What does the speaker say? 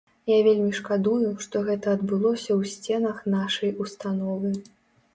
Я вельмі шкадую, што гэта адбылося ў сценах нашай установы.